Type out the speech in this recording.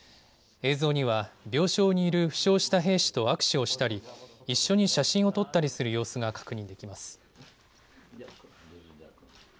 映像には病床にいる負傷した兵士と握手をしたり一緒に写真を撮ったりする様子が確認できます。